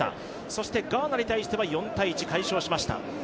そしてガーナに対しては４−１、快勝しました。